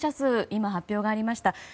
今、発表がありました。